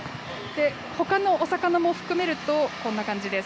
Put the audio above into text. ほかのお魚も含めると、こんな感じです。